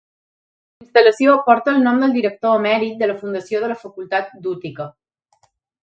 La instal·lació porta el nom del director emèrit de la fundació de la facultat d'Utica.